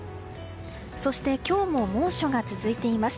そして今日も猛暑が続いています。